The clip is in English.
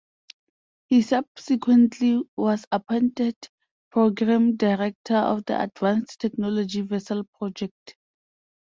He subsequently was appointed Programme Director of the Advanced Technology Vessel project.